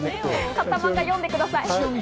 買って読んでください。